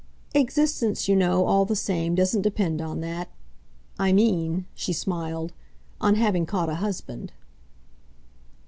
"Existence, you know, all the same, doesn't depend on that. I mean," she smiled, "on having caught a husband."